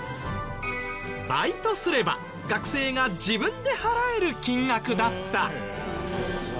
バイトすれば学生が自分で払える金額だった。